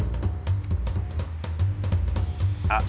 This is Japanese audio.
あっ。